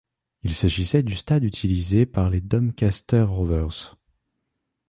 Il s'agissait du stade utilisé par les Doncaster Rovers.